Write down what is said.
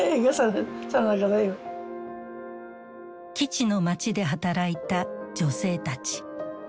基地の街で働いた女性たち。